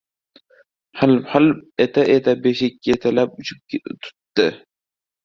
Hilp-hilp eta-eta beshik ketilab uchib tutttdi.